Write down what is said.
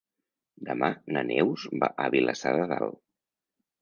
Demà na Neus va a Vilassar de Dalt.